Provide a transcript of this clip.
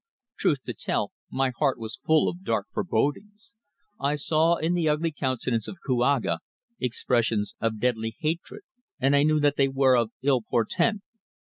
Truth to tell, my heart was full of dark forebodings. I saw in the ugly countenance of Kouaga expressions of deadly hatred, and I knew that they were of ill portent.